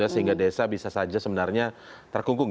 sehingga desa bisa saja sebenarnya terkungkung